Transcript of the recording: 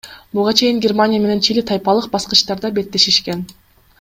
Буга чейин Германия менен Чили тайпалык баскычтарда беттешишкен.